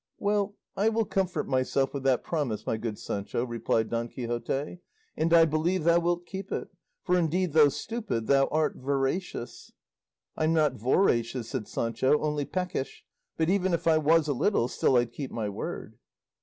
"Well, I will comfort myself with that promise, my good Sancho," replied Don Quixote, "and I believe thou wilt keep it; for indeed though stupid thou art veracious." "I'm not voracious," said Sancho, "only peckish; but even if I was a little, still I'd keep my word."